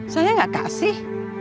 saya gak kasih